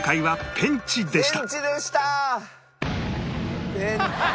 ペンチでした。